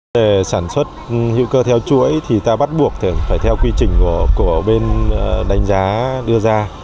về sản xuất hữu cơ theo chuỗi thì ta bắt buộc phải theo quy trình của bên đánh giá đưa ra